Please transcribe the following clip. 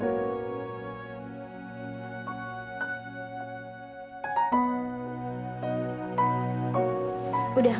oh udh haha protes engkau